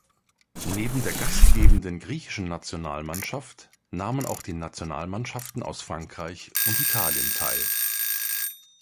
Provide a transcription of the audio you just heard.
Neben der gastgebenden Griechischen Nationalmannschaft nahmen auch die Nationalmannschaften aus Frankreich und Italien teil.